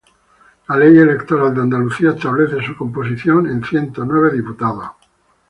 La Ley Electoral de Andalucía establece su composición en ciento nueve diputados.